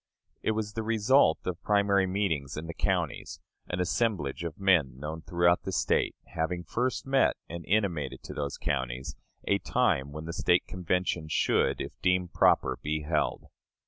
It was the result of primary meetings in the counties; an assemblage of men known throughout the State, having first met and intimated to those counties a time when the State Convention should, if deemed proper, be held.